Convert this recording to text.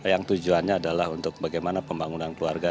yang tujuannya adalah untuk bagaimana pembangunan keluarga